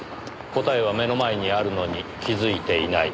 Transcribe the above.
答えは目の前にあるのに気づいていない。